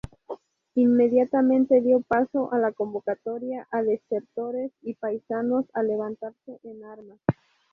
Inmediatamente dio paso a la convocatoria a desertores y paisanos a levantarse en armas.